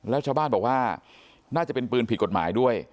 แล้วชาวบ้านบอกว่าน่าจะเป็นปืนผิดกฎหมายด้วย